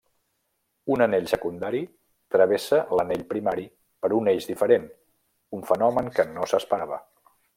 Un anell secundari travessa l'anell primari per un eix diferent, un fenomen que no s'esperava.